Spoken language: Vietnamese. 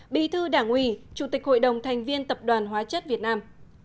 bí thư đảng ủy chủ tịch hội đồng thành viên tập đoàn hóa chất việt nam